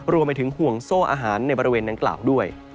รวมไปถึงห่วงโซ่อาหารในบริเวณดังกล่าวด้วย